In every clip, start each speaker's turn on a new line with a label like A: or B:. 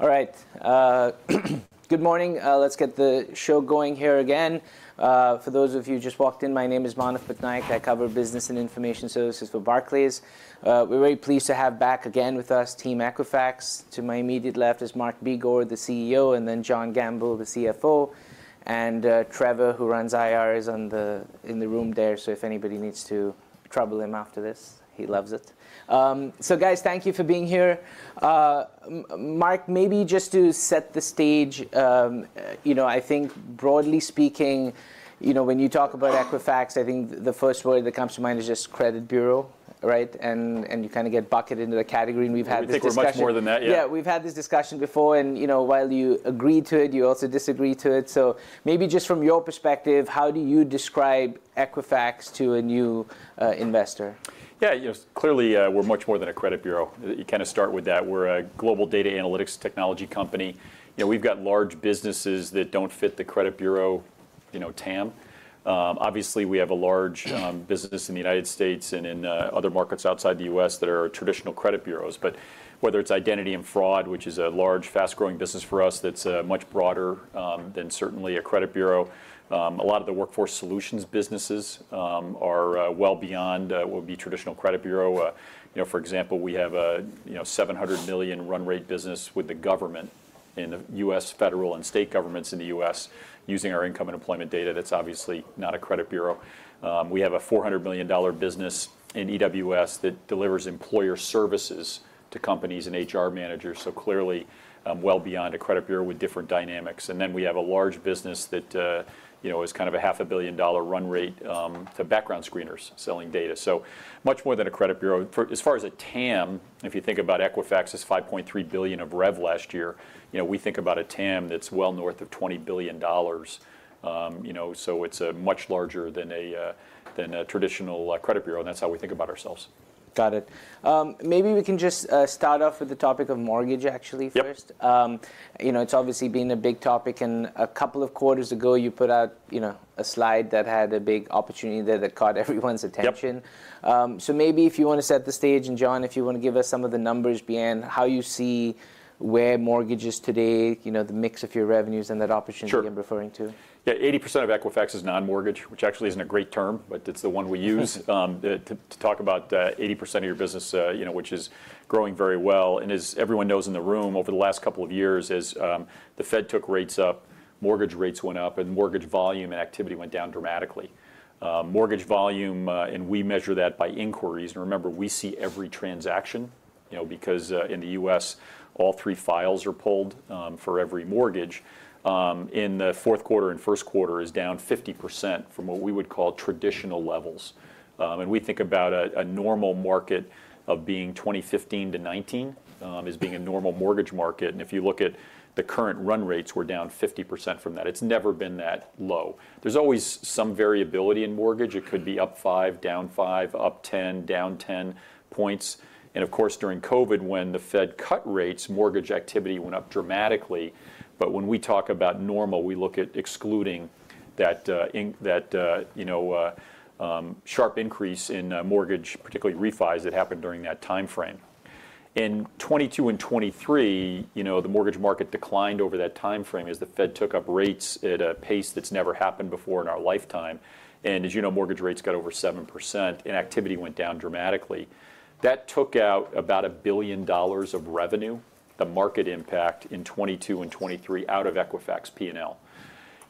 A: All right. Good morning, let's get the show going here again. For those of you who just walked in, my name is Manav Patnaik, I cover business and information services for Barclays. We're very pleased to have back again with us Team Equifax. To my immediate left is Mark Begor, the CEO, and then John Gamble, the CFO, and Trevor, who runs IR, is in the room there, so if anybody needs to trouble him after this, he loves it. So guys, thank you for being here. Mark, maybe just to set the stage, you know, I think broadly speaking, you know, when you talk about Equifax, I think the first word that comes to mind is just credit bureau, right? And, and you kinda get bucketed into the category, and we've had this discussion-
B: We think we're much more than that, yeah.
A: Yeah, we've had this discussion before and, you know, while you agreed to it, you also disagreed to it. So maybe just from your perspective, how do you describe Equifax to a new investor?
B: Yeah, you know, clearly, we're much more than a credit bureau. You kinda start with that. We're a global data analytics technology company. You know, we've got large businesses that don't fit the credit bureau, you know, TAM. Obviously, we have a large business in the United States and in other markets outside the U.S. that are traditional credit bureaus. But whether it's identity and fraud, which is a large, fast-growing business for us, that's much broader than certainly a credit bureau. A lot of the Workforce solutions businesses are well beyond what would be traditional credit bureau. You know, for example, we have a you know $700 million run rate business with the government in the U.S. federal and state governments in the U.S., using our income and employment data, that's obviously not a credit bureau. We have a $400 million business in EWS that delivers employer services to companies and HR managers, so clearly well beyond a credit bureau with different dynamics. And then we have a large business that you know is kind of a $500 million run rate to background screeners selling data. So much more than a credit bureau. As far as a TAM, if you think about Equifax as $5.3 billion of rev last year, you know, so it's much larger than a traditional credit bureau, and that's how we think about ourselves.
A: Got it. Maybe we can just start off with the topic of mortgage, actually, first.
B: Yep.
A: You know, it's obviously been a big topic, and a couple of quarters ago, you put out, you know, a slide that had a big opportunity there that caught everyone's attention.
B: Yep.
A: So maybe if you want to set the stage, and John, if you want to give us some of the numbers behind how you see where mortgages today, you know, the mix of your revenues and that opportunity-
B: Sure.
A: I'm referring to.
B: Yeah, 80% of Equifax is non-mortgage, which actually isn't a great term, but it's the one we use to talk about 80% of your business, you know, which is growing very well. And as everyone knows in the room, over the last couple of years, as the Fed took rates up, mortgage rates went up, and mortgage volume and activity went down dramatically. Mortgage volume, and we measure that by inquiries, and remember, we see every transaction, you know, because in the U.S., all three files are pulled for every mortgage. In the fourth quarter and first quarter is down 50% from what we would call traditional levels. And we think about a normal market of being 2015-2019 as being a normal mortgage market. If you look at the current run rates, we're down 50% from that. It's never been that low. There's always some variability in mortgage. It could be up five, down five, up 10, down 10 points. And of course, during COVID, when the Fed cut rates, mortgage activity went up dramatically. But when we talk about normal, we look at excluding that, you know, sharp increase in mortgage, particularly refis, that happened during that timeframe. In 2022 and 2023, you know, the mortgage market declined over that timeframe as the Fed took up rates at a pace that's never happened before in our lifetime. And as you know, mortgage rates got over 7%, and activity went down dramatically. That took out about $1 billion of revenue, the market impact in 2022 and 2023 out of Equifax P&L.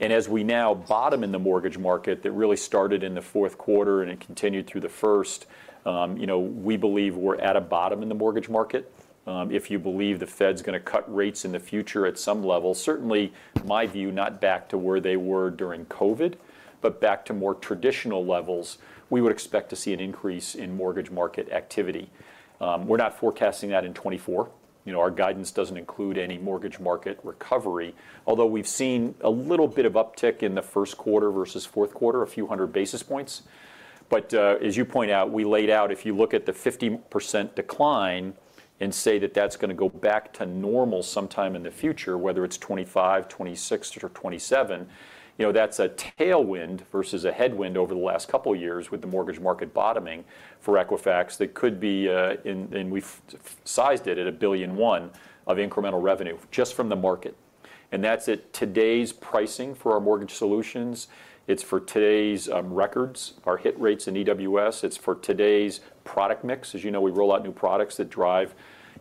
B: As we now bottom in the mortgage market, that really started in the fourth quarter, and it continued through the first, you know, we believe we're at a bottom in the mortgage market. If you believe the Fed's gonna cut rates in the future at some level, certainly my view, not back to where they were during COVID, but back to more traditional levels, we would expect to see an increase in mortgage market activity. We're not forecasting that in 2024. You know, our guidance doesn't include any mortgage market recovery, although we've seen a little bit of uptick in the first quarter versus fourth quarter, a few hundred basis points. But, as you point out, we laid out, if you look at the 50% decline and say that that's gonna go back to normal sometime in the future, whether it's 2025, 2026, or 2027, you know, that's a tailwind versus a headwind over the last couple of years with the mortgage market bottoming for Equifax. That could be, and we've sized it at $1 billion of incremental revenue just from the market. And that's at today's pricing for our mortgage solutions. It's for today's records, our hit rates in EWS. It's for today's product mix. As you know, we roll out new products that drive,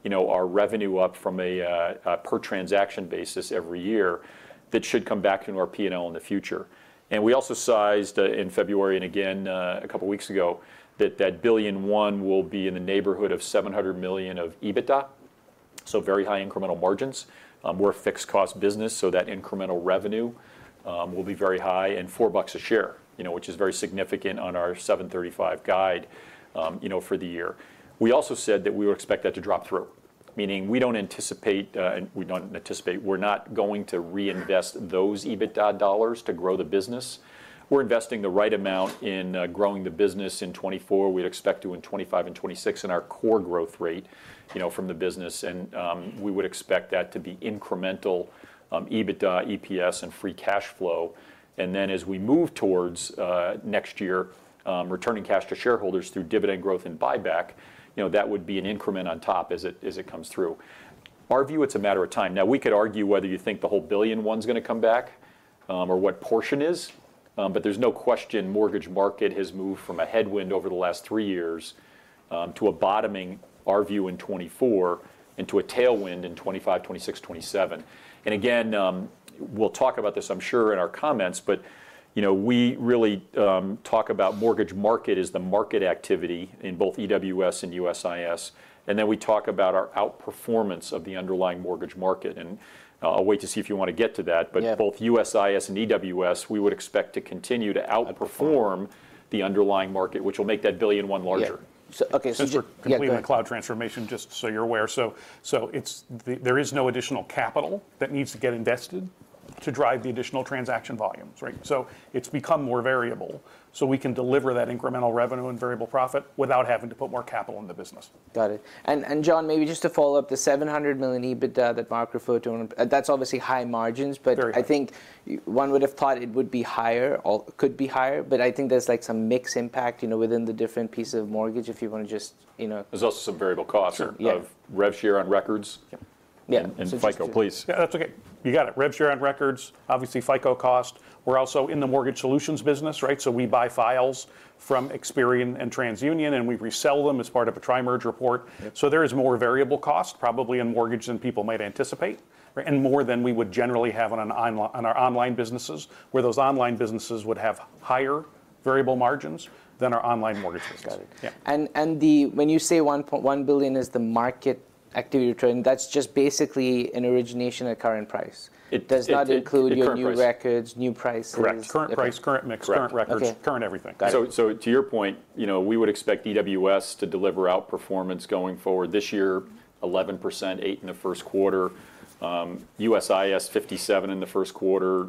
B: you know, our revenue up from a per transaction basis every year. That should come back into our P&L in the future. We also sized in February, and again a couple of weeks ago, that $1 billion will be in the neighborhood of $700 million of EBITDA, so very high incremental margins. We're a fixed-cost business, so that incremental revenue will be very high, and $4 a share, you know, which is very significant on our $7.35 guide, you know, for the year. We also said that we would expect that to drop through, meaning we don't anticipate, we're not going to reinvest those EBITDA dollars to grow the business. We're investing the right amount in growing the business in 2024. We'd expect to in 2025 and 2026, in our core growth rate, you know, from the business, and we would expect that to be incremental EBITDA, EPS, and free cash flow. And then, as we move towards next year, returning cash to shareholders through dividend growth and buyback, you know, that would be an increment on top as it, as it comes through. Our view, it's a matter of time. Now, we could argue whether you think the whole $1 billion one's gonna come back or what portion is, but there's no question mortgage market has moved from a headwind over the last three years to a bottoming, our view, in 2024, and to a tailwind in 2025, 2026, 2027. And again, we'll talk about this, I'm sure, in our comments, but, you know, we really talk about mortgage market as the market activity in both EWS and USIS, and then we talk about our outperformance of the underlying mortgage market. And I'll wait to see if you wanna get to that.
A: Yeah.
B: but both USIS and EWS, we would expect to continue to outperform-
A: Outperform.
B: the underlying market, which will make that $1 billion larger.
A: Yeah. So, okay, so-
C: Since we're-
A: Yeah, go ahead.
C: completing the cloud transformation, just so you're aware, so there is no additional capital that needs to get invested to drive the additional transaction volumes, right? So it's become more variable, so we can deliver that incremental revenue and variable profit without having to put more capital in the business.
A: Got it. And John, maybe just to follow up, the $700 million EBITDA that Mark referred to, and that's obviously high margins, but-
C: Very high.
A: I think one would have thought it would be higher or could be higher, but I think there's, like, some mix impact, you know, within the different pieces of mortgage, if you wanna just, you know-
B: There's also some variable costs-
C: Sure.
B: of rev share on records.
A: Yeah.
B: And FICO, please.
C: Yeah, that's okay. You got it. rev share on records, obviously FICO cost. We're also in the mortgage solutions business, right? So we buy files from Experian and TransUnion, and we resell them as part of a Tri-merge report.
A: Yeah.
C: There is more variable cost probably in mortgage than people might anticipate, right, and more than we would generally have on our online businesses, where those online businesses would have higher variable margins than our online mortgage business.
A: Got it.
C: Yeah.
A: When you say $1 billion is the market activity you're trending, that's just basically an origination at current price.
C: It current price.
A: Does not include your new records, new prices.
C: Correct. Current price, current mix-
B: Correct.
C: current records-
A: Okay.
C: current everything.
A: Got it.
B: So to your point, you know, we would expect EWS to deliver outperformance going forward this year, 11%, 8% in the first quarter. USIS, 57% in the first quarter,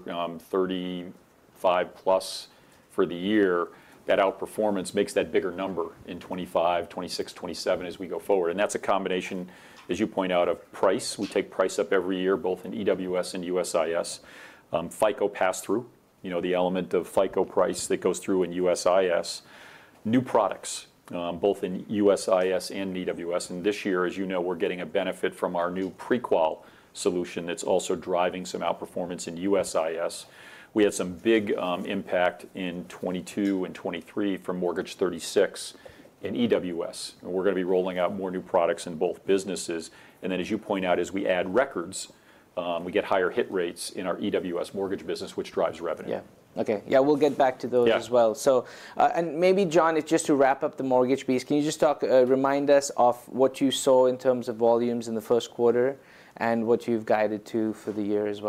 B: 35%+ for the year. That outperformance makes that bigger number in 2025, 2026, 2027 as we go forward, and that's a combination, as you point out, of price. We take price up every year, both in EWS and USIS. FICO pass-through, you know, the element of FICO price that goes through in USIS. New products, both in USIS and EWS, and this year, as you know, we're getting a benefit from our new pre-qual solution that's also driving some outperformance in USIS. We had some big, impact in 2022 and 2023 from Mortgage 36 in EWS, and we're gonna be rolling out more new products in both businesses. And then, as you point out, as we add records, we get higher hit rates in our EWS mortgage business, which drives revenue.
A: Yeah. Okay. Yeah, we'll get back to those as well.
B: Yeah.
A: So, and maybe, John, just to wrap up the mortgage piece, can you just talk, remind us of what you saw in terms of volumes in the first quarter and what you've guided to for the year as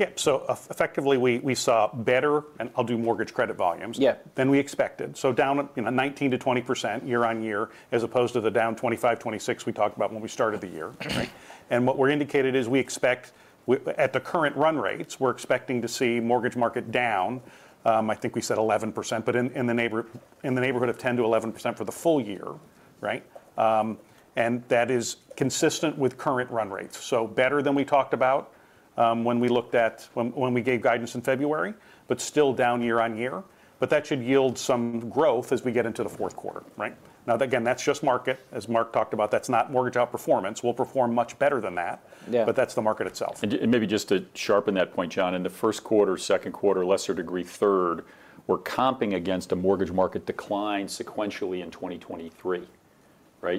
A: well?
C: Yeah. So effectively, we saw better, and I'll do mortgage credit volumes-
A: Yeah.
C: than we expected, so down, you know, 19%-20% year-on-year, as opposed to the down 25%-26% we talked about when we started the year.
A: Right.
C: And what we're indicated is, we expect at the current run rates, we're expecting to see mortgage market down, I think we said 11%, but in the neighborhood of 10%-11% for the full year, right? And that is consistent with current run rates. So better than we talked about, when we gave guidance in February, but still down year-on-year, but that should yield some growth as we get into the fourth quarter, right? Now, again, that's just market. As Mark talked about, that's not mortgage outperformance. We'll perform much better than that-
A: Yeah.
C: but that's the market itself.
B: And maybe just to sharpen that point, John, in the first quarter, second quarter, lesser degree third, we're comping against a mortgage market decline sequentially in 2023, right?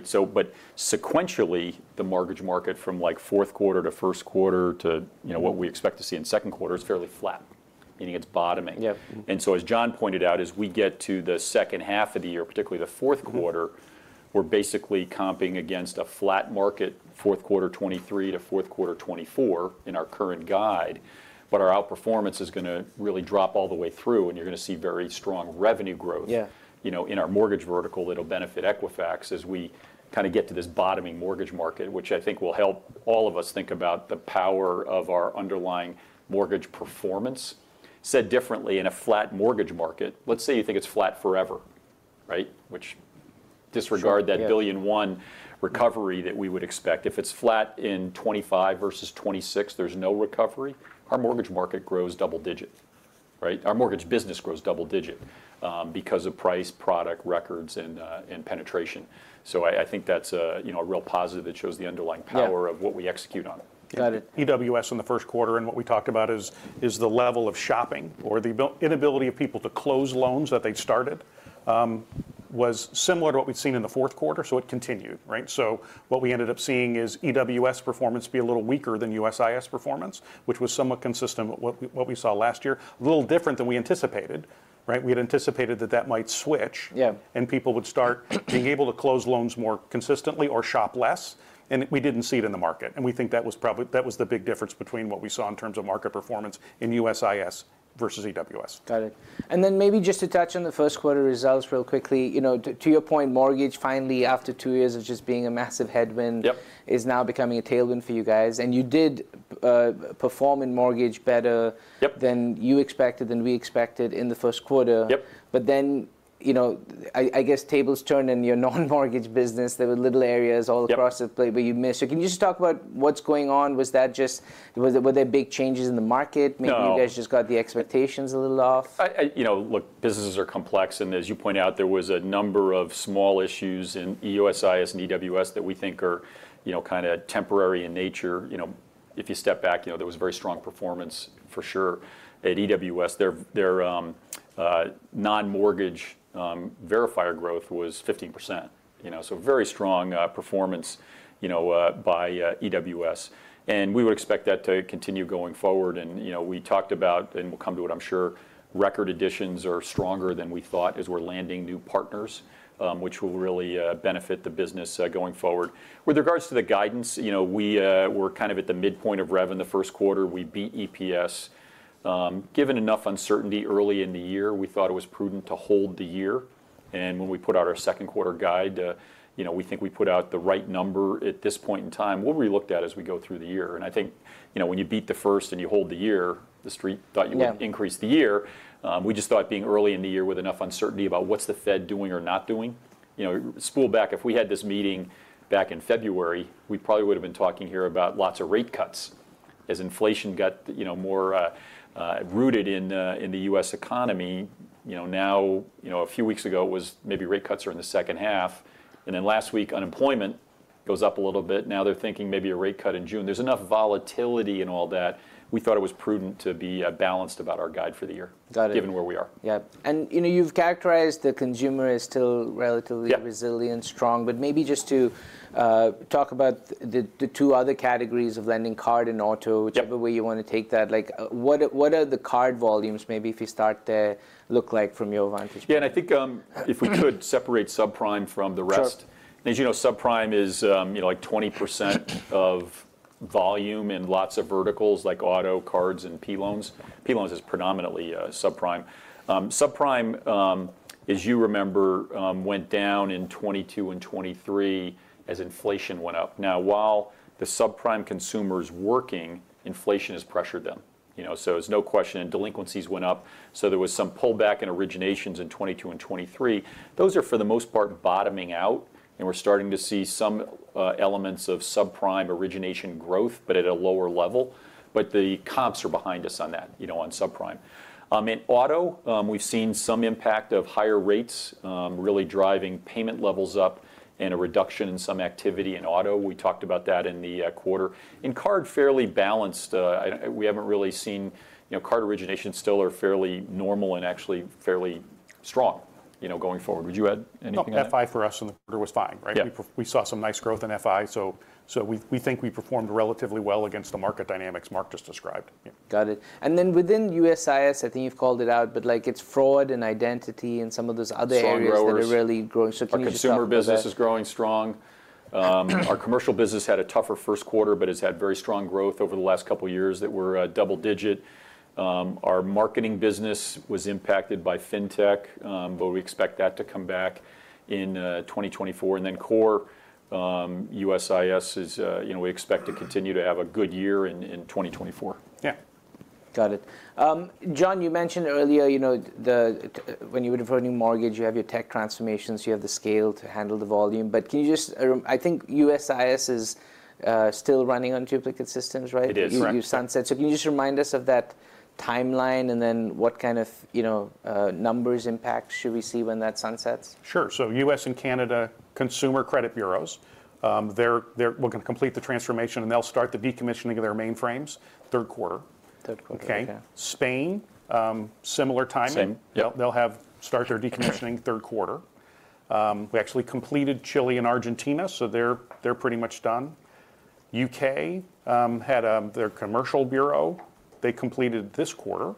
B: So but sequentially, the mortgage market from, like, fourth quarter to first quarter to, you know, what we expect to see in second quarter is fairly flat, meaning it's bottoming.
A: Yeah. Mm-hmm.
B: As John pointed out, as we get to the second half of the year, particularly the fourth quarter.
A: Mm-hmm.
B: we're basically comping against a flat market, fourth quarter 2023 to fourth quarter 2024, in our current guide, but our outperformance is gonna really drop all the way through, and you're gonna see very strong revenue growth-
A: Yeah.
B: you know, in our mortgage vertical that'll benefit Equifax as we kinda get to this bottoming mortgage market, which I think will help all of us think about the power of our underlying mortgage performance. Said differently, in a flat mortgage market, let's say you think it's flat forever, right? Which disregard-
A: Sure, yeah.
B: that $1 billion recovery that we would expect. If it's flat in 2025 versus 2026, there's no recovery, our mortgage market grows double digit, right? Our mortgage business grows double digit, because of price, product, records, and penetration. So I think that's a, you know, a real positive that shows the underlying power-
A: Yeah.
B: of what we execute on it.
A: Got it.
C: EWS in the first quarter, and what we talked about, is the level of shopping, or the inability of people to close loans that they'd started, was similar to what we'd seen in the fourth quarter, so it continued, right? So what we ended up seeing is EWS performance be a little weaker than USIS performance, which was somewhat consistent with what we saw last year. A little different than we anticipated, right? We had anticipated that that might switch-
A: Yeah.
C: and people would start being able to close loans more consistently or shop less, and we didn't see it in the market, and we think that was probably the big difference between what we saw in terms of market performance in USIS versus EWS.
A: Got it. And then maybe just to touch on the first quarter results real quickly. You know, to your point, mortgage, finally, after two years of just being a massive headwind-
B: Yep.
A: is now becoming a tailwind for you guys. You did perform in mortgage better-
B: Yep.
A: than you expected, than we expected in the first quarter.
B: Yep.
A: But then, you know, I guess tables turned in your non-mortgage business. There were little areas all-
B: Yep.
A: Across the place where you missed. So can you just talk about what's going on? Was that just, were there big changes in the market?
B: No.
A: Maybe you guys just got the expectations a little off?
B: You know, look, businesses are complex, and as you point out, there was a number of small issues in USIS and EWS that we think are, you know, kinda temporary in nature. You know, if you step back, you know, there was a very strong performance for sure at EWS. Their non-mortgage verifier growth was 15%, you know, so very strong performance, you know, by EWS, and we would expect that to continue going forward. You know, we talked about, and we'll come to it, I'm sure, record additions are stronger than we thought as we're landing new partners, which will really benefit the business going forward. With regards to the guidance, you know, we're kind of at the midpoint of rev in the first quarter. We beat EPS. Given enough uncertainty early in the year, we thought it was prudent to hold the year, and when we put out our second quarter guide, you know, we think we put out the right number at this point in time. We'll re-look at it as we go through the year. I think, you know, when you beat the first and you hold the year, the Street thought-
A: Yeah.
B: you would increase the year. We just thought, being early in the year with enough uncertainty about what's the Fed doing or not doing. You know, spool back, if we had this meeting back in February, we probably would've been talking here about lots of rate cuts. As inflation got, you know, more rooted in the U.S. economy, you know, now, you know, a few weeks ago, it was maybe rate cuts are in the second half, and then last week, unemployment goes up a little bit. Now they're thinking maybe a rate cut in June. There's enough volatility in all that, we thought it was prudent to be balanced about our guide for the year-
A: Got it..
B: given where we are.
A: Yeah, and, you know, you've characterized the consumer as still relatively-
B: Yep.
A: resilient, strong, but maybe just to talk about the two other categories of lending, card and auto-
B: Yep.
A: whichever way you wanna take that. Like, what are the card volumes, maybe if you start there, look like from your vantage point?
B: Yeah, and I think, if we could, separate subprime from the rest.
A: Sure.
B: As you know, subprime is, you know, like 20% of volume in lots of verticals, like auto, cards, and P loans. P loans is predominantly subprime. Subprime, as you remember, went down in 2022 and 2023 as inflation went up. Now, while the subprime consumer's working, inflation has pressured them. You know, so there's no question, and delinquencies went up, so there was some pullback in originations in 2022 and 2023. Those are, for the most part, bottoming out, and we're starting to see some elements of subprime origination growth but at a lower level. But the comps are behind us on that, you know, on subprime. In auto, we've seen some impact of higher rates, really driving payment levels up and a reduction in some activity in auto. We talked about that in the quarter. In card, fairly balanced. We haven't really seen. You know, card originations still are fairly normal and actually fairly strong, you know, going forward. Would you add anything there?
C: No, EFX for us in the quarter was fine, right?
B: Yep.
C: We saw some nice growth in EFX, so we think we performed relatively well against the market dynamics Mark just described.
B: Yeah.
A: Got it. Then within USIS, I think you've called it out, but, like, it's fraud and identity and some of those other areas-
B: Strong growers.
A: that are really growing. So can you just talk about that?
B: Our consumer business is growing strong. Our commercial business had a tougher first quarter but has had very strong growth over the last couple of years that were double-digit. Our marketing business was impacted by fintech, but we expect that to come back in 2024. And then core USIS is, you know, we expect to continue to have a good year in 2024.
C: Yeah.
A: Got it. John, you mentioned earlier, you know, when you would refer a new mortgage, you have your tech transformations, you have the scale to handle the volume. But can you just, I think USIS is still running on duplicate systems, right?
C: It is, right?
A: You sunset. So can you just remind us of that timeline, and then what kind of, you know, numbers impact should we see when that sunsets?
C: Sure. So U.S. and Canada consumer credit bureaus, they're, we're gonna complete the transformation, and they'll start the decommissioning of their mainframes third quarter.
A: Third quarter.
C: Okay?
A: Yeah.
C: Spain, similar timing.
B: Same. Yep.
C: They'll start their decommissioning third quarter. We actually completed Chile and Argentina, so they're pretty much done. UK had their commercial bureau; they completed this quarter,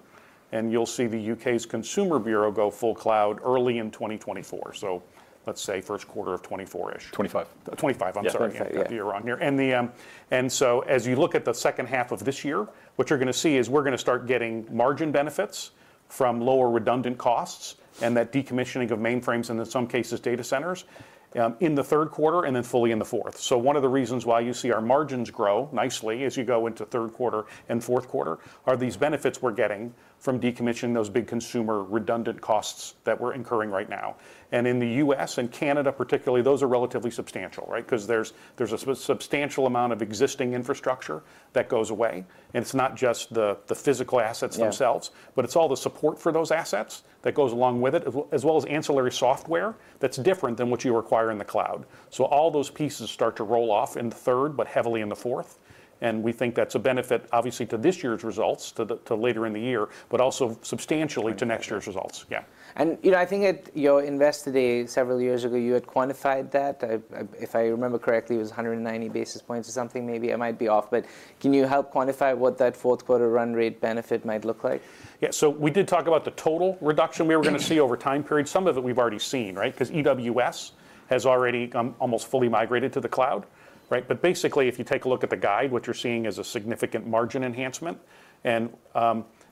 C: and you'll see the UK's consumer bureau go full cloud early in 2024. So let's say first quarter of 2024-ish.
B: 2025.
C: 2025. I'm sorry-
B: Yeah, 2025.
C: Got the year wrong here. And so as you look at the second half of this year, what you're gonna see is we're gonna start getting margin benefits from lower redundant costs and that decommissioning of mainframes, and in some cases, data centers, in the third quarter and then fully in the fourth. So one of the reasons why you see our margins grow nicely as you go into third quarter and fourth quarter are these benefits we're getting from decommissioning those big consumer redundant costs that we're incurring right now. And in the US and Canada particularly, those are relatively substantial, right? 'Cause there's a substantial amount of existing infrastructure that goes away, and it's not just the physical assets themselves-
A: Yeah.
C: but it's all the support for those assets that goes along with it, as well as ancillary software that's different than what you require in the cloud. So all those pieces start to roll off in the third but heavily in the fourth... and we think that's a benefit, obviously, to this year's results, to the, to later in the year, but also substantially-
A: To next year.
C: to next year's results. Yeah.
A: You know, I think at your Investor Day several years ago, you had quantified that. I, I, if I remember correctly, it was 190 basis points or something, maybe I might be off, but can you help quantify what that fourth quarter run rate benefit might look like?
C: Yeah, so we did talk about the total reduction we were gonna see over time period. Some of it we've already seen, right? Because EWS has already come almost fully migrated to the cloud, right? But basically, if you take a look at the guide, what you're seeing is a significant margin enhancement, and-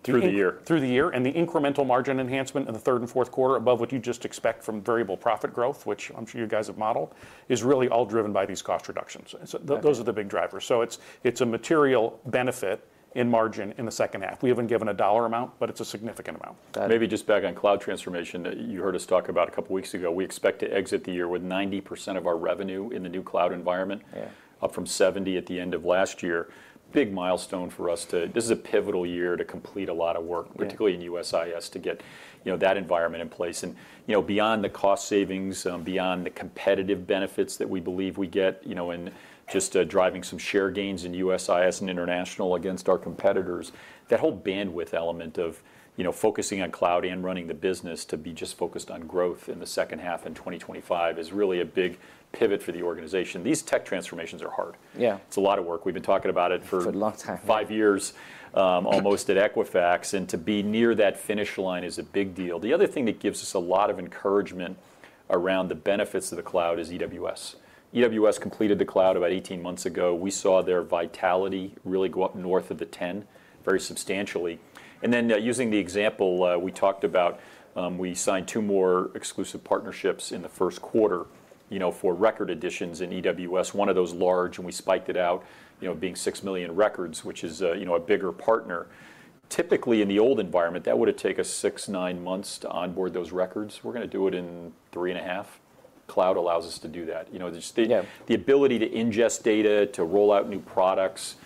A: Through the year.
C: through the year. And the incremental margin enhancement in the third and fourth quarter above what you just expect from variable profit growth, which I'm sure you guys have modeled, is really all driven by these cost reductions.
A: Okay.
C: Those are the big drivers. It's a material benefit in margin in the second half. We haven't given a dollar amount, but it's a significant amount.
A: Got it.
B: Maybe just back on cloud transformation that you heard us talk about a couple of weeks ago. We expect to exit the year with 90% of our revenue in the new cloud environment-
A: Yeah.
B: up from 70% at the end of last year. Big milestone for us to, this is a pivotal year to complete a lot of work-
A: Yeah.
B: particularly in USIS, to get, you know, that environment in place. And, you know, beyond the cost savings, beyond the competitive benefits that we believe we get, you know, in just, driving some share gains in USIS and international against our competitors, that whole bandwidth element of, you know, focusing on cloud and running the business to be just focused on growth in the second half in 2025 is really a big pivot for the organization. These tech transformations are hard.
A: Yeah.
B: It's a lot of work. We've been talking about it for-
A: For a long time.
B: five years, almost at Equifax, and to be near that finish line is a big deal. The other thing that gives us a lot of encouragement around the benefits of the cloud is EWS. EWS completed the cloud about 18 months ago. We saw their vitality really go up north of the 10, very substantially. And then, using the example we talked about, we signed two more exclusive partnerships in the first quarter, you know, for record additions in EWS, one of those large, and we spiked it out, you know, being six million records, which is a, you know, a bigger partner. Typically, in the old environment, that would've taken us six to nine months to onboard those records. We're gonna do it in three and a half. Cloud allows us to do that. You know, just the-
A: Yeah.
B: the ability to ingest data, to roll out new products,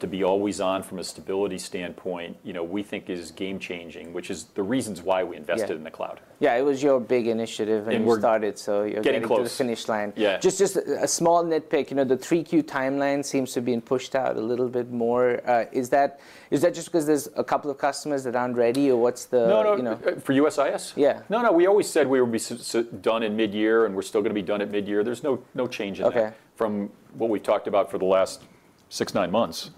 B: to be always on from a stability standpoint, you know, we think is game changing, which is the reasons why we invested-
A: Yeah.
B: in the cloud.
A: Yeah, it was your big initiative-
B: And we're-
A: and you started, so you're-
B: Getting close.
A: getting to the finish line.
B: Yeah.
A: Just a small nitpick, you know, the 3Q timeline seems to have been pushed out a little bit more. Is that just 'cause there's a couple of customers that aren't ready, or what's the-
B: No, no.
A: you know?
B: For USIS?
A: Yeah.
B: No, no, we always said we would be done in mid-year, and we're still gonna be done at mid-year. There's no, no change in that.
A: Okay.
B: from what we've talked about for the last six to nine months.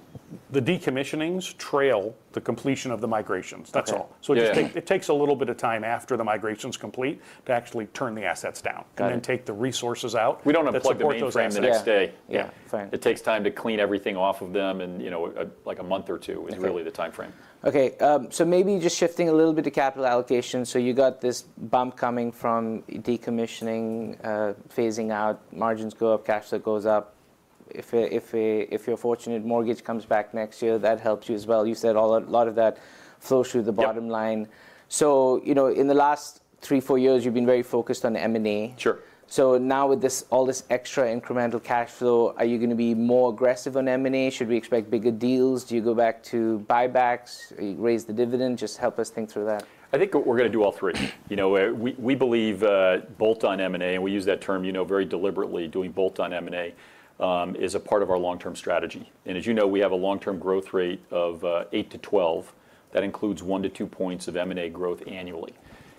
C: The decommissionings trail the completion of the migrations.
A: Okay.
C: That's all.
B: Yeah.
C: It takes a little bit of time after the migration's complete to actually turn the assets down-
A: Got it.
C: and then take the resources out-
B: We don't unplug the mainframe the next day.
C: That support those assets.
A: Yeah.
B: Yeah.
A: Fine.
B: It takes time to clean everything off of them and, you know, like, a month or two-
A: Okay.
B: is really the timeframe.
A: Okay, so maybe just shifting a little bit to capital allocation. So you got this bump coming from decommissioning, phasing out, margins go up, cash flow goes up. If you're fortunate, mortgage comes back next year, that helps you as well. You said all, a lot of that flows through the bottom line.
B: Yeah.
A: So, you know, in the last three, four years, you've been very focused on M&A.
B: Sure.
A: Now with this, all this extra incremental cash flow, are you gonna be more aggressive on M&A? Should we expect bigger deals? Do you go back to buybacks, raise the dividend? Just help us think through that.
B: I think we're gonna do all three. You know, we believe bolt-on M&A, and we use that term, you know, very deliberately. Doing bolt-on M&A is a part of our long-term strategy. As you know, we have a long-term growth rate of eight to 12. That includes one to two points of M&A growth annually.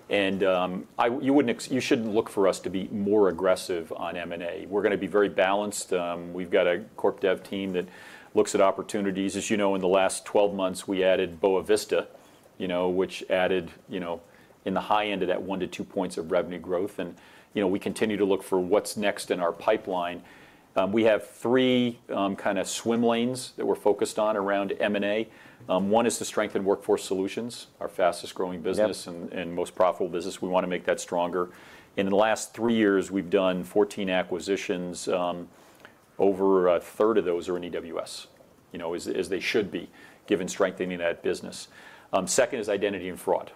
B: You shouldn't look for us to be more aggressive on M&A. We're gonna be very balanced. We've got a corp dev team that looks at opportunities. As you know, in the last 12 months, we added Boa Vista, you know, which added, you know, in the high end of that one to two points of revenue growth. And, you know, we continue to look for what's next in our pipeline. We have three kind of swim lanes that we're focused on around M&A. One is to strengthen Workforce Solutions, our fastest-growing business-
A: Yeah.
B: and most profitable business. We wanna make that stronger. In the last three years, we've done 14 acquisitions. Over a third of those are in EWS, you know, as they should be, given strengthening that business. Second is identity and fraud.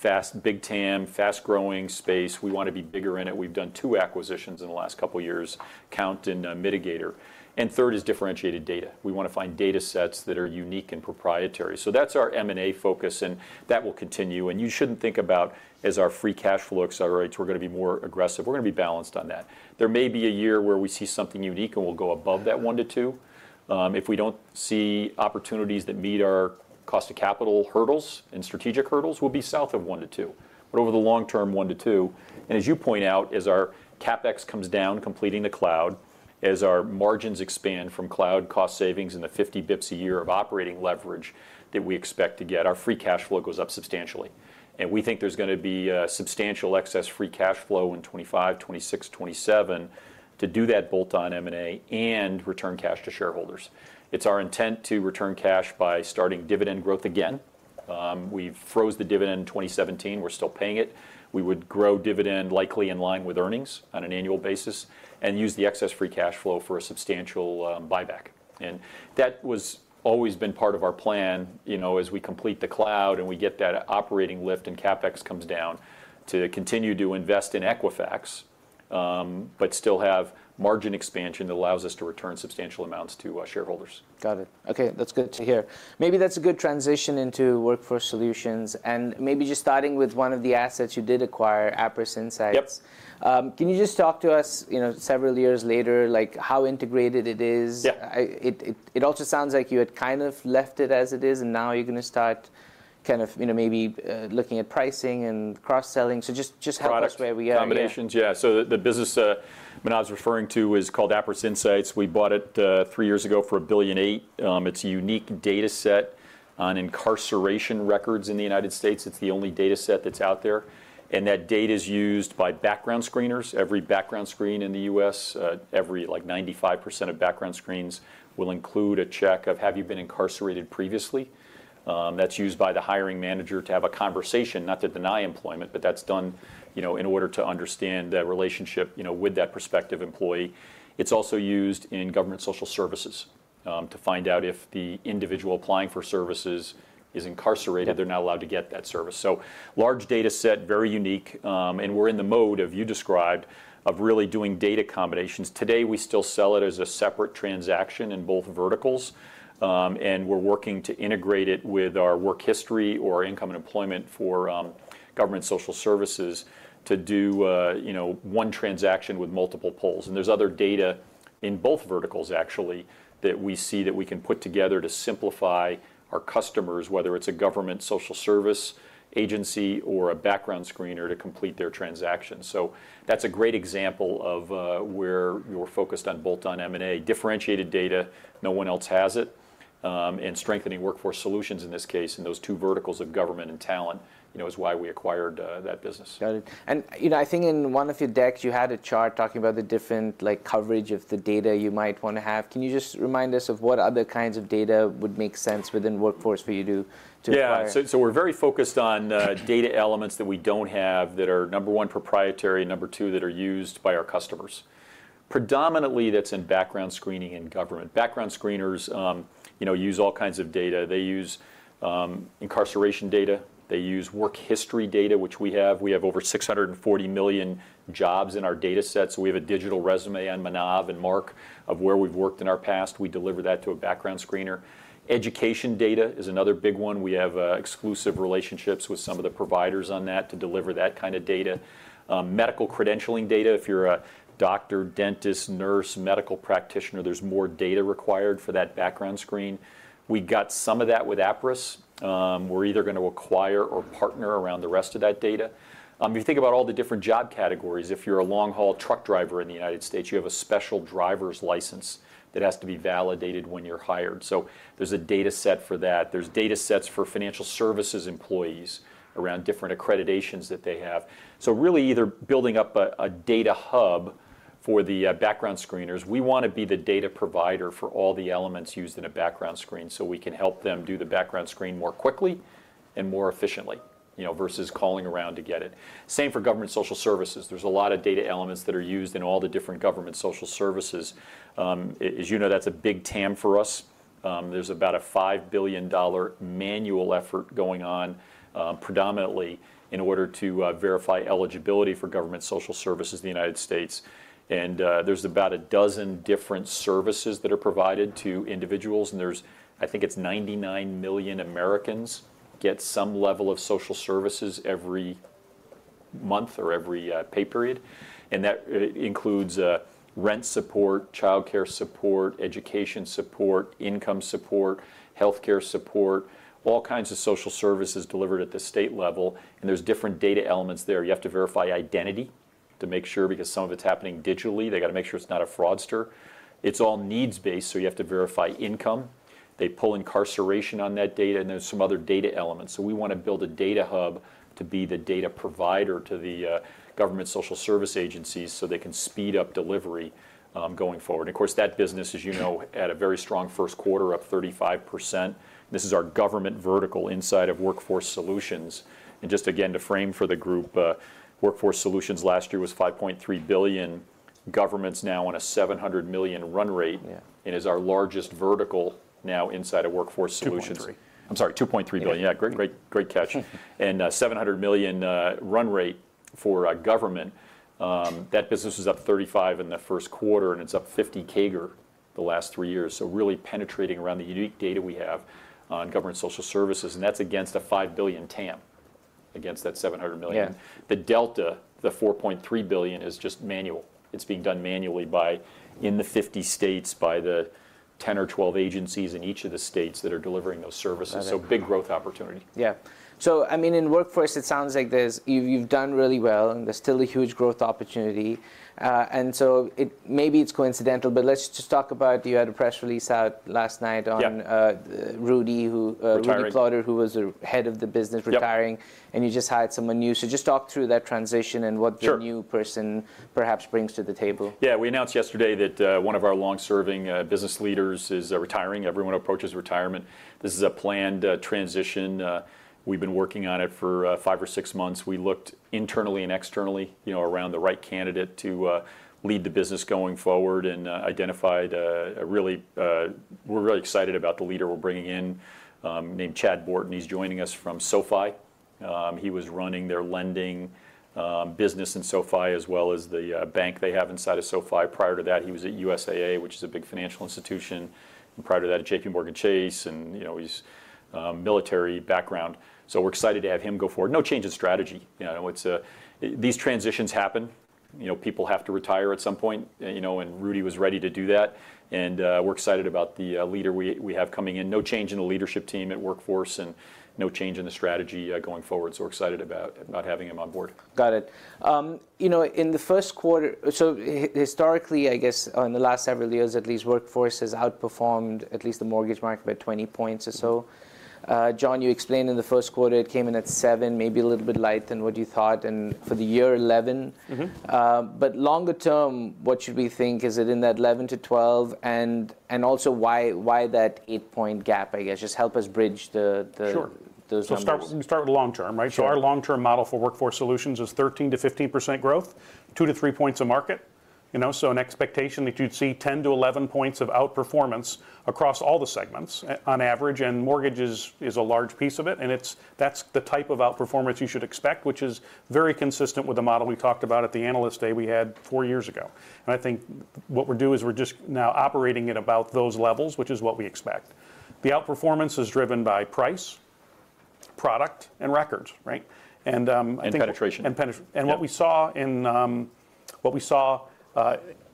B: Fast, big TAM, fast-growing space. We want to be bigger in it. We've done twp acquisitions in the last couple of years, Kount and Midigator. And third is differentiated data. We wanna find data sets that are unique and proprietary. So that's our M&A focus, and that will continue. And you shouldn't think about as our free cash flow accelerates, we're gonna be more aggressive. We're gonna be balanced on that.ere may be a year where we see something unique, and we'll go above that one to two. If we don't see opportunities that meet our cost of capital hurdles and strategic hurdles, we'll be south of one to two, but over the long term, one to two. And as you point out, as our CapEx comes down, completing the cloud, as our margins expand from cloud cost savings and the 50 basis points a year of operating leverage that we expect to get, our free cash flow goes up substantially. And we think there's gonna be substantial excess free cash flow in 2025, 2026, 2027 to do that bolt-on M&A and return cash to shareholders. It's our intent to return cash by starting dividend growth again. We froze the dividend in 2017. We're still paying it. We would grow dividend likely in line with earnings on an annual basis and use the excess free cash flow for a substantial buyback. That was always been part of our plan, you know, as we complete the cloud, and we get that operating lift, and CapEx comes down, to continue to invest in Equifax, but still have margin expansion that allows us to return substantial amounts to shareholders.
A: Got it. Okay, that's good to hear. Maybe that's a good transition into Workforce Solutions, and maybe just starting with one of the assets you did acquire, Appriss Insights.
B: Yep.
A: Can you just talk to us, you know, several years later, like, how integrated it is?
B: Yeah.
A: It also sounds like you had kind of left it as it is, and now you're gonna start kind of, you know, maybe looking at pricing and cross-selling. So just how-
B: Products.
A: far we are, yeah.
B: Combinations, yeah. So the business Manav's referring to is called Appriss Insights. We bought it three years ago for $1.008 billion. It's a unique data set on incarceration records in the United States. It's the only data set that's out there, and that data is used by background screeners. Every background screen in the U.S., every, like, 95% of background screens will include a check of, "Have you been incarcerated previously?" That's used by the hiring manager to have a conversation, not to deny employment, but that's done, you know, in order to understand that relationship, you know, with that prospective employee. It's also used in government social services, to find out if the individual applying for services is incarcerated-
A: Yeah.
B: they're not allowed to get that service. So large data set, very unique, and we're in the mode of you described, of really doing data combinations. Today, we still sell it as a separate transaction in both verticals. And we're working to integrate it with our work history or income and employment for government social services to do, you know, one transaction with multiple polls. And there's other data in both verticals, actually, that we see that we can put together to simplify our customers, whether it's a government social service agency or a background screener to complete their transaction. So that's a great example of where we're focused on bolt-on M&A. Differentiated data, no one else has it, and strengthening workforce solutions in this case, and those two verticals of government and talent, you know, is why we acquired that business.
A: Got it. You know, I think in one of your decks, you had a chart talking about the different, like, coverage of the data you might wanna have. Can you just remind us of what other kinds of data would make sense within Workforce for you to acquire?
B: Yeah. So we're very focused on data elements that we don't have, that are, number one, proprietary, number two, that are used by our customers. Predominantly, that's in background screening and government. Background screeners, you know, use all kinds of data. They use incarceration data, they use work history data, which we have. We have over 640 million jobs in our data set, so we have a digital resume on Manav and Mark of where we've worked in our past. We deliver that to a background screener. Education data is another big one. We have exclusive relationships with some of the providers on that to deliver that kind of data. Medical credentialing data. If you're a doctor, dentist, nurse, medical practitioner, there's more data required for that background screen. We got some of that with Appriss. We're either gonna acquire or partner around the rest of that data. If you think about all the different job categories, if you're a long-haul truck driver in the United States, you have a special driver's license that has to be validated when you're hired, so there's a data set for that. There's data sets for financial services employees around different accreditations that they have. So really, either building up a data hub for the background screeners. We wanna be the data provider for all the elements used in a background screen, so we can help them do the background screen more quickly and more efficiently, you know, versus calling around to get it. Same for government social services. There's a lot of data elements that are used in all the different government social services. As you know, that's a big TAM for us. There's about a $5 billion manual effort going on, predominantly in order to verify eligibility for government social services in the United States. There's about a dozen different services that are provided to individuals, and there's, I think it's 99 million Americans get some level of social services every month or every pay period, and that includes rent support, childcare support, education support, income support, healthcare support, all kinds of social services delivered at the state level, and there's different data elements there. You have to verify identity to make sure, because some of it's happening digitally. They've gotta make sure it's not a fraudster. It's all needs-based, so you have to verify income. They pull incarceration on that data, and there's some other data elements. So we wanna build a data hub to be the data provider to the government social service agencies, so they can speed up delivery, going forward. And of course, that business, as you know, had a very strong first quarter, up 35%. This is our government vertical inside of Workforce Solutions. And just again, to frame for the group, Workforce Solutions last year was $5.3 billion. Government's now on a $700 million run rate-
A: Yeah.
B: and is our largest vertical now inside of Workforce Solutions.
C: 2.3. I'm sorry, $2.3 billion.
A: Yeah.
B: Yeah, great, great, great catch. And $700 million run rate for government. That business was up 35% in the first quarter, and it's up 50% CAGR the last three years, so really penetrating around the unique data we have on government social services, and that's against a $5 billion TAM, against that $700 million.
A: Yeah.
B: The delta, the $4.3 billion, is just manual. It's being done manually by, in the 50 states, by the 10 or 12 agencies in each of the states that are delivering those services.
A: Got it.
B: Big growth opportunity.
A: Yeah. So I mean, in Workforce, it sounds like there's, you've done really well, and there's still a huge growth opportunity. And so maybe it's coincidental, but let's just talk about, you had a press release out last night on-
B: Yeah.
A: Rudy, who-
B: Retiring.
A: Rudy Ploder, who was the head of the business-
B: Yep.
A: retiring, and you just hired someone new. So just talk through that transition and what-
B: Sure.
A: the new person perhaps brings to the table.
B: Yeah, we announced yesterday that one of our long-serving business leaders is retiring. Everyone approaches retirement. This is a planned transition. We've been working on it for five or six months. We looked internally and externally, you know, around the right candidate to lead the business going forward and identified a really, we're really excited about the leader we're bringing in, named Chad Borton. He's joining us from SoFi. He was running their lending business in SoFi, as well as the bank they have inside of SoFi. Prior to that, he was at USAA, which is a big financial institution, and prior to that, at JPMorgan Chase, and, you know, he's military background, so we're excited to have him go forward. No change in strategy, you know. It's these transitions happen. You know, people have to retire at some point, you know, and Rudy was ready to do that, and we're excited about the leader we have coming in. No change in the leadership team at Workforce, and no change in the strategy going forward, so we're excited about having him on board.
A: Got it. You know, in the first quarter, historically, I guess, in the last several years at least, Workforce has outperformed at least the mortgage market by 20 points or so. John, you explained in the first quarter, it came in at seven, maybe a little bit light than what you thought, and for the year 11.
C: Mm-hmm.
A: But longer term, what should we think? Is it in that 11-12, and also, why that eight-point gap, I guess? Just help us bridge the-
C: Sure.
A: those numbers.
C: So, we start with long term, right?
A: Sure.
C: So our long-term model for Workforce Solutions is 13%-15% growth, two to three points of market. You know, so an expectation that you'd see 10-11 points of outperformance across all the segments on average, and mortgages is a large piece of it, and that's the type of outperformance you should expect, which is very consistent with the model we talked about at the analyst day we had four years ago. And I think what we're doing is we're just now operating at about those levels, which is what we expect. The outperformance is driven by price, product, and records, right? And, I think-
B: And penetration.
C: And penetra-
B: Yep.
C: And what we saw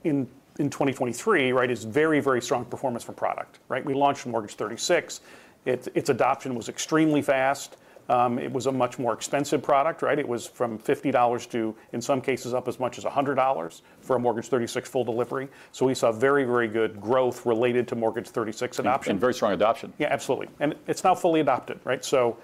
C: in 2023, right, is very, very strong performance from product, right? We launched Mortgage 36. Its adoption was extremely fast. It was a much more expensive product, right? It was from $50 to, in some cases, up as much as $100-
A: Mm.
C: for a Mortgage 36 full delivery. So we saw very, very good growth related to Mortgage 36 adoption.
B: And very strong adoption.
C: Yeah, absolutely. And it's now fully adopted, right? So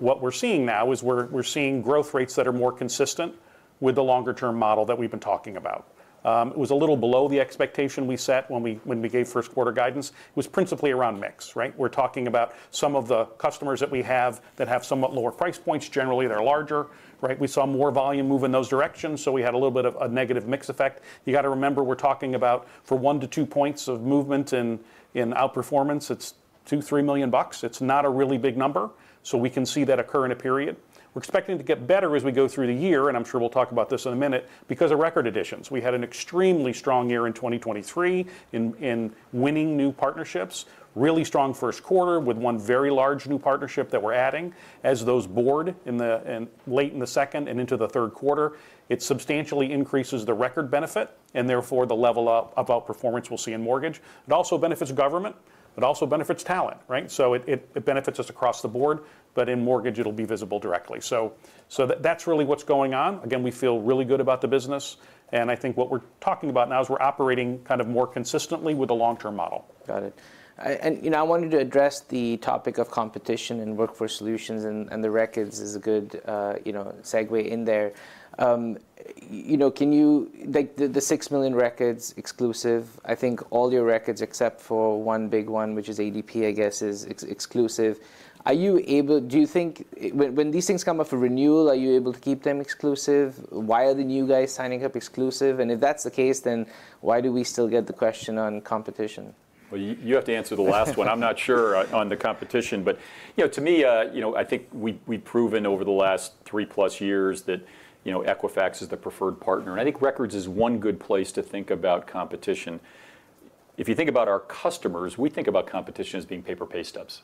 C: what we're seeing now is we're seeing growth rates that are more consistent with the longer-term model that we've been talking about. It was a little below the expectation we set when we gave first quarter guidance. It was principally around mix, right? We're talking about some of the customers that we have that have somewhat lower price points. Generally, they're larger, right? We saw more volume move in those directions, so we had a little bit of a negative mix effect. You gotta remember, we're talking about for one to two points of movement in outperformance, it's $2 million-$3 million. It's not a really big number, so we can see that occur in a period. We're expecting to get better as we go through the year, and I'm sure we'll talk about this in a minute, because of record additions. We had an extremely strong year in 2023 in winning new partnerships, really strong first quarter with one very large new partnership that we're adding. As those board in late in the second and into the third quarter, it substantially increases the record benefit, and therefore, the level of outperformance we'll see in mortgage. It also benefits government, but also benefits talent, right? So it benefits us across the board, but in mortgage, it'll be visible directly. So that's really what's going on. Again, we feel really good about the business, and I think what we're talking about now is we're operating kind of more consistently with the long-term model.
A: Got it. And, you know, I wanted to address the topic of competition and Workforce Solutions, and the records is a good, you know, segue in there. You know, can you, like, the six million records exclusive, I think all your records, except for one big one, which is ADP, I guess, is exclusive. Do you think when these things come up for renewal, are you able to keep them exclusive? Why are the new guys signing up exclusive, and if that's the case, then why do we still get the question on competition?
B: Well, you have to answer the last one. I'm not sure on the competition, but you know, to me, you know, I think we've proven over the last 3+ years that you know, Equifax is the preferred partner, and I think records is one good place to think about competition. If you think about our customers, we think about competition as being pay-for-pay stubs.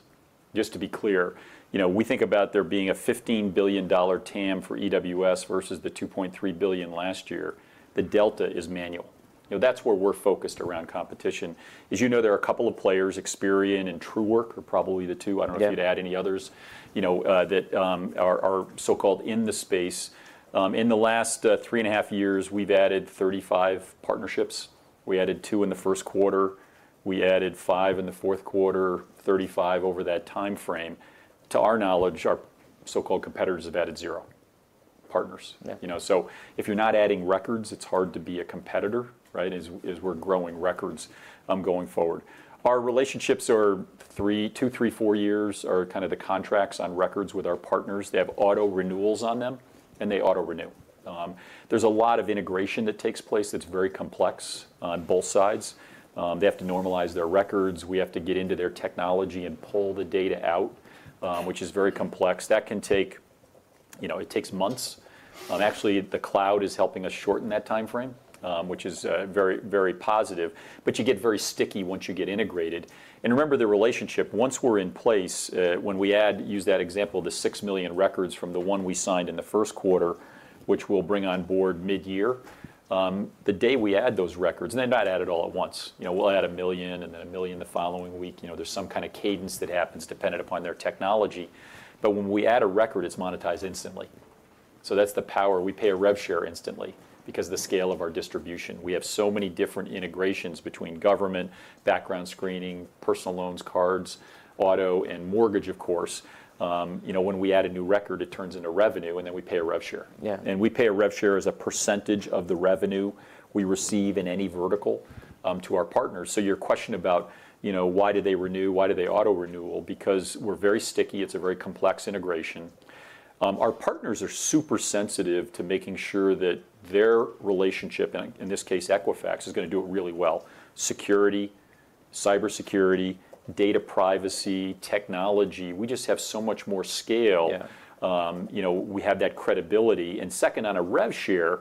B: Just to be clear, you know, we think about there being a $15 billion TAM for EWS versus the $2.3 billion last year. The delta is manual. You know, that's where we're focused around competition. As you know, there are a couple of players, Experian and Truework are probably the two.
A: Yeah.
B: I don't know if you'd add any others, you know, that are so-called in the space. In the last 3.5 years, we've added 35 partnerships. We added two in the first quarter, we added five in the fourth quarter, 35 over that timeframe. To our knowledge, our so-called competitors have added zero partners.
A: Yeah.
B: You know, so if you're not adding records, it's hard to be a competitor, right? As we're growing records going forward. Our relationships are two, three, four years are kind of the contracts on records with our partners. They have auto renewals on them, and they auto-renew. There's a lot of integration that takes place that's very complex on both sides. They have to normalize their records. We have to get into their technology and pull the data out, which is very complex. That can take, you know, it takes months. Actually, the cloud is helping us shorten that timeframe, which is very, very positive. But you get very sticky once you get integrated. And remember, the relationship, once we're in place, when we add, use that example, the six million records from the one we signed in the first quarter, which we'll bring on board mid-year, the day we add those records, and they're not added all at once, you know, we'll add one million and then one million the following week. You know, there's some kind of cadence that happens dependent upon their technology. But when we add a record, it's monetized instantly. So that's the power. We pay a rev share instantly because of the scale of our distribution. We have so many different integrations between government, background screening, personal loans, cards, auto, and mortgage, of course. You know, when we add a new record, it turns into revenue, and then we pay a rev share.
A: Yeah.
B: We pay a rev share as a percentage of the revenue we receive in any vertical, to our partners. So your question about, you know, why do they renew, why do they auto-renewal? Because we're very sticky. It's a very complex integration. Our partners are super sensitive to making sure that their relationship, and in this case, Equifax, is gonna do it really well. Security, cybersecurity, data privacy, technology, we just have so much more scale.
A: Yeah.
B: You know, we have that credibility, and second, on a rev share,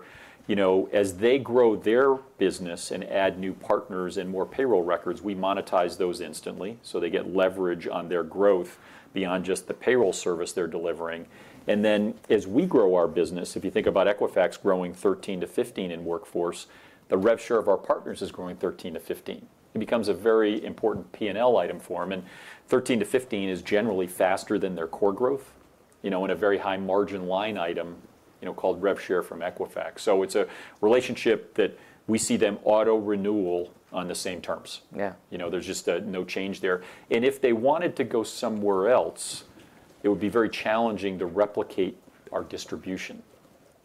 B: you know, as they grow their business and add new partners and more payroll records, we monetize those instantly, so they get leverage on their growth beyond just the payroll service they're delivering. And then as we grow our business, if you think about Equifax growing 13-15 in workforce, the rev share of our partners is growing 13-15. It becomes a very important P&L item for them, and 13-15 is generally faster than their core growth, you know, and a very high margin line item, you know, called rev share from Equifax. So it's a relationship that we see them auto-renewal on the same terms.
A: Yeah.
B: You know, there's just no change there. If they wanted to go somewhere else, it would be very challenging to replicate our distribution.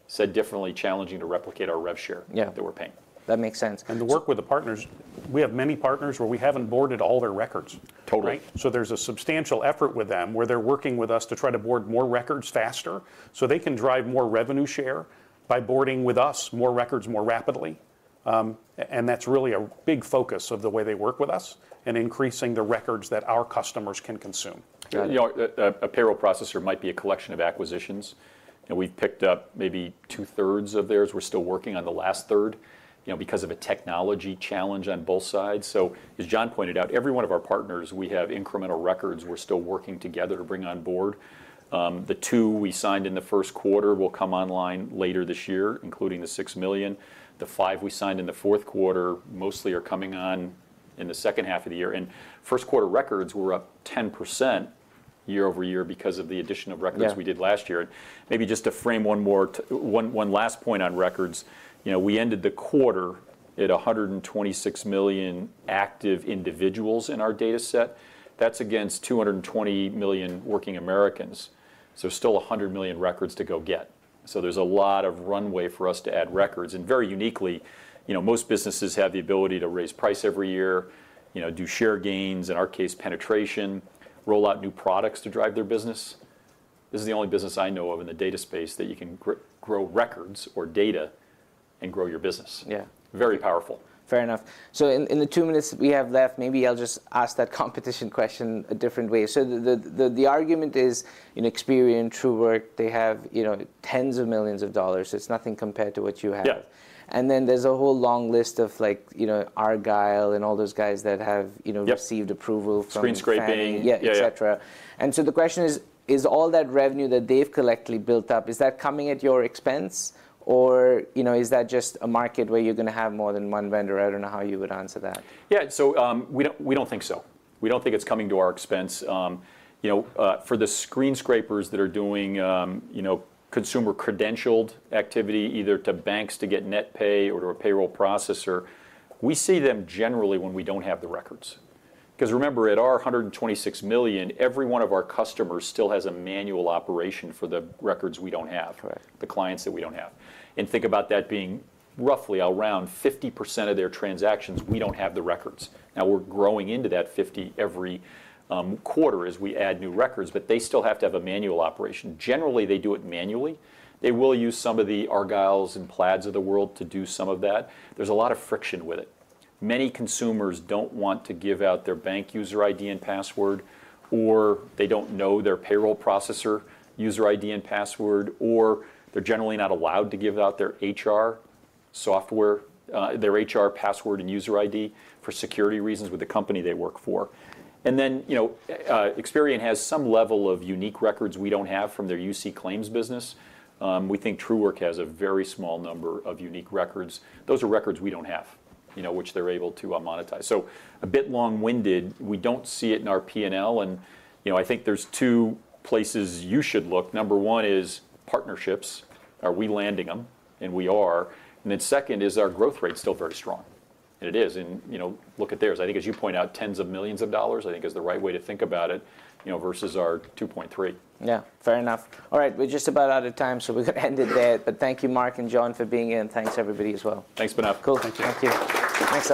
B: Said differently, challenging to replicate our rev share-
A: Yeah.
B: that we're paying.
A: That makes sense.
C: To work with the partners, we have many partners where we haven't onboarded all their records.
B: Totally.
C: Right? So there's a substantial effort with them where they're working with us to try to board more records faster, so they can drive more revenue share by boarding with us more records more rapidly. And that's really a big focus of the way they work with us in increasing the records that our customers can consume.
B: Yeah, you know, a payroll processor might be a collection of acquisitions, and we've picked up maybe 2/3 of theirs. We're still working on the last third, you know, because of a technology challenge on both sides. So as John pointed out, every one of our partners, we have incremental records we're still working together to bring on board. The two we signed in the first quarter will come online later this year, including the six million. The five we signed in the fourth quarter mostly are coming on in the second half of the year, and first quarter records were up 10% year-over-year because of the addition of records-
A: Yeah.
B: we did last year. Maybe just to frame one more, one last point on records, you know, we ended the quarter at 126 million active individuals in our data set. That's against 220 million working Americans, so still 100 million records to go get. So there's a lot of runway for us to add records, and very uniquely, you know, most businesses have the ability to raise price every year, you know, do share gains, in our case, penetration, roll out new products to drive their business. This is the only business I know of in the data space that you can grow records or data and grow your business.
A: Yeah.
B: Very powerful.
A: Fair enough. So in the two minutes we have left, maybe I'll just ask that competition question a different way. So the argument is in Experian, Truework, they have, you know, tens of millions of dollars, so it's nothing compared to what you have.
B: Yeah.
A: And then there's a whole long list of, like, you know, Argyle and all those guys that have, you know-
B: Yep.
A: received approval from-
B: Screen scraping.
A: Yeah.
B: Yeah, yeah.
A: Et cetera. The question is, is all that revenue that they've collectively built up, is that coming at your expense? Or, you know, is that just a market where you're gonna have more than one vendor? I don't know how you would answer that.
B: Yeah, so, we don't, we don't think so. We don't think it's coming to our expense. You know, for the screen scrapers that are doing, you know, consumer credentialed activity, either to banks to get net pay or to a payroll processor, we see them generally when we don't have the records, 'cause remember, at our 126 million, every one of our customers still has a manual operation for the records we don't have-
A: Correct.
B: the clients that we don't have. And think about that being roughly around 50% of their transactions, we don't have the records. Now, we're growing into that 50 every quarter as we add new records, but they still have to have a manual operation. Generally, they do it manually. They will use some of the Argyle and Plaid of the world to do some of that. There's a lot of friction with it. Many consumers don't want to give out their bank user ID and password, or they don't know their payroll processor user ID and password, or they're generally not allowed to give out their HR software, their HR password and user ID for security reasons with the company they work for. And then, you know, Experian has some level of unique records we don't have from their UC claims business. We think Truework has a very small number of unique records. Those are records we don't have, you know, which they're able to monetize. So a bit long-winded, we don't see it in our P&L, and, you know, I think there's two places you should look. Number one is partnerships. Are we landing them? And we are. And then second, is our growth rate still very strong? And it is, and, you know, look at theirs. I think as you point out, tens of millions of dollars, I think is the right way to think about it, you know, versus our $2.3.
A: Yeah, fair enough. All right, we're just about out of time, so we're gonna end it there. But thank you, Mark and John, for being in, thanks everybody as well.
B: Thanks, Manav.
A: Cool.
C: Thank you.
A: Thank you. Thanks.